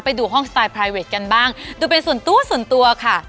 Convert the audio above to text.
ไปดูห้องสไตล์พลายเวทกันบ้างดูเป็นส่วนตัวส่วนตัวค่ะ